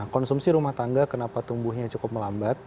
konsumsi rumah tangga kenapa tumbuhnya cukup melambat